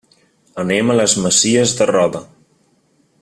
Anem a les Masies de Roda.